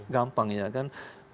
gampang ya kan